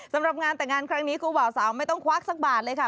สำหรับงานแต่งงานครั้งนี้ครูบ่าวสาวไม่ต้องควักสักบาทเลยค่ะ